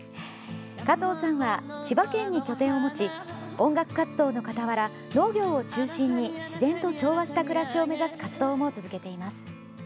加藤さんは千葉県に拠点を持ち音楽活動の傍ら農業を中心に自然と調和した暮らしを目指す活動も続けています。